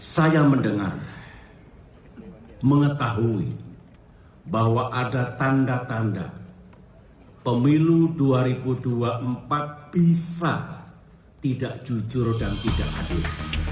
saya mendengar mengetahui bahwa ada tanda tanda pemilu dua ribu dua puluh empat bisa tidak jujur dan tidak adil